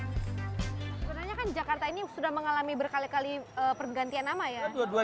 sebenarnya kan jakarta ini sudah mengalami berkali kali pergantian nama ya